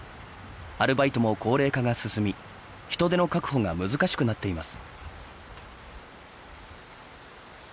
アルバイトも高齢化が進み人手の確保が難しくなっています。